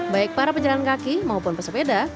baik para pejalan kaki maupun pesepeda